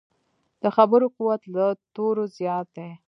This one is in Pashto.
د خبرو قوت له تورو زیات دی.